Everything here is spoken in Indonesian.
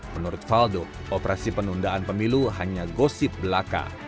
menurut faldo operasi penundaan pemilu hanya gosip belaka